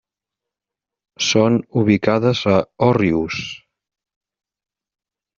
Són ubicades a Òrrius.